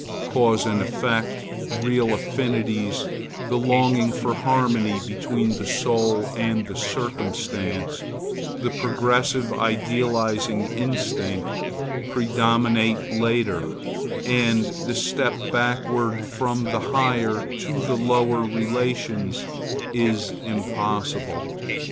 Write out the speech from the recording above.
Cause and effect, real affinities, the longing for harmony between the soul and the circumstance, the progressive, idealizing instinct, predominate later, and the step backward from the higher to the lower relations is impossible.